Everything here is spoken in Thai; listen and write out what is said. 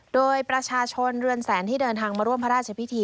โดยประชาชนเรือนแสนที่เดินทางมาร่วมพระราชพิธี